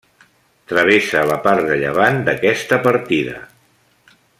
Travessa la part de llevant d'aquesta partida.